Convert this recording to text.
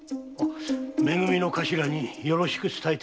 め組の頭によろしく伝えてくれ。